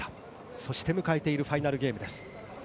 そして迎えているファイナルゲームです。